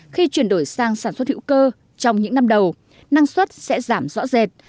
khi chuyển đổi sang sản xuất hữu cơ trong những năm đầu năng suất sẽ giảm rõ rệt